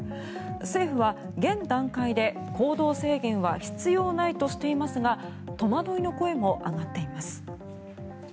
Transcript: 政府は現段階で行動制限は必要ないとしていますが戸惑いの声も上がっています。